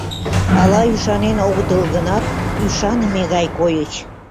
Ала ӱшанен огытыл гынат, ӱшаныме гай койыч.